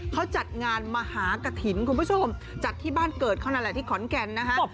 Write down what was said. เขาจัดงานมหากฐินคุณผู้ชมจัดที่บ้านเกิดเขานั่นแหละที่ขอนแก่นนะฮะ